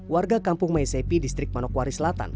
warga kampung maisepi distrik manokwari selatan